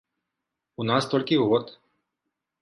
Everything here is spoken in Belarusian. У нас толькі год!